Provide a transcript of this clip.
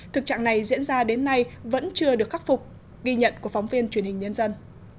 thực trạng này diễn ra đến nay vẫn chưa được khắc phục ghi nhận của phóng viên truyền hình nhân dân